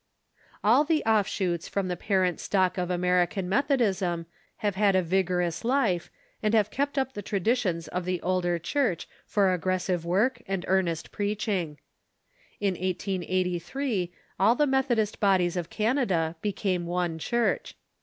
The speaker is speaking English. All the offshoots from the parent stock of American Metho dism have had a vigorous life, and have kept up the traditions of the older Church for aggressive work and earnest preaching. In 1883 all the Methodist bodies of Canada became one Church.